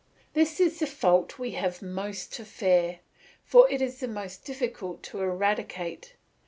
This is the fault we have most to fear, for it is the most difficult to eradicate.